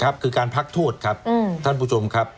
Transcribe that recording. คือการพักโทษครับท่านผู้ชมครับ